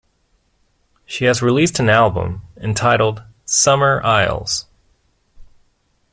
She has released an album entitled "Summer Isles"